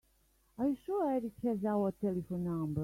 Are you sure Erik has our telephone number?